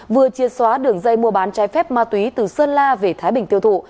vừa chia xóa đường dây mua bán trái phép ma túy từ sơn la về thái bình tiêu thụ